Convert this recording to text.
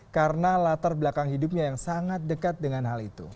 karena latar belakang hidupnya yang sangat dekat dengan hal itu